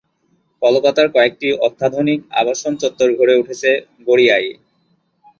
কলকাতার কয়েকটি অত্যাধুনিক আবাসন চত্বর গড়ে উঠেছে গড়িয়ায়।